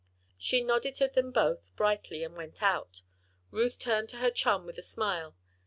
She nodded to them both brightly and went out. Ruth turned to her chum with a smile.